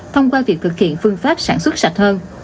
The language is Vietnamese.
thông qua việc thực hiện phương pháp sản xuất sạch hơn